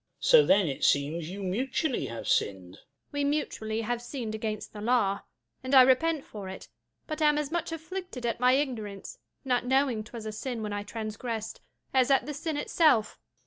Duke. So then it seems you mutually have sinn'd 1 Jul. We mutually have sinn'd against the law : And I repent for it, but am as much Afflicted at my ignorance, Not knowing 'twrs a sin when I transgrest, As at the sin itseif.